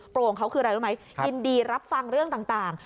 ของเขาคืออะไรรู้ไหมยินดีรับฟังเรื่องต่าง